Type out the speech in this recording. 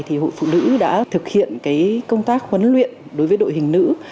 thì hội phụ nữ đã thực hiện công tác huấn luyện đối với đội hình nữ